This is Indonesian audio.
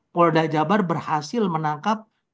polda jabar berhasil menangkap